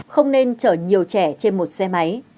không nên chở nhiều trẻ trên một xe máy